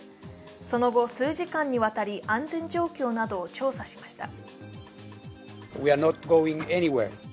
その後、数時間にわたり安全状況などを調査しました。